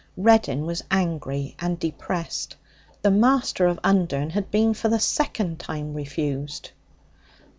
Reddin was angry and depressed. The master of Undern had been for the second time refused.